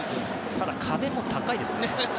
ただ、壁も高いですね。